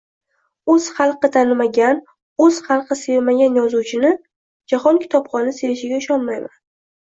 O’z xalqi tanimagan, o’z xalqi sevmagan yozuvchini jahon kitobxoni sevishiga ishonmayman.